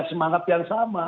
semangat yang sama